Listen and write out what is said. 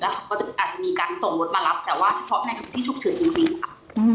เขาก็จะอาจจะมีการส่งรถมารับแต่ว่าเฉพาะในที่ฉุกเฉินจริงค่ะ